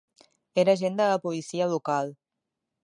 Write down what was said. Era agent de la policia local.